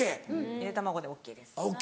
ゆで卵でＯＫです。